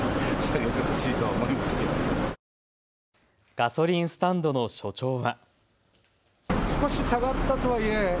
ガソリンスタンドの所長は。